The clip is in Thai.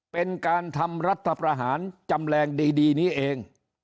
เป็นการทำรัฐประหารจำแรงดีนี้เอง